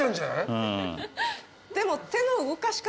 でも。